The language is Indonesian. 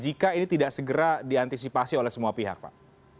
jika ini tidak segera diantisipasi oleh semua pihak pak